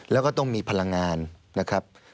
แล้วก็ต้องมีพลังงานนะครับ